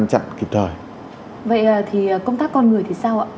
vậy thì công tác con người thì sao ạ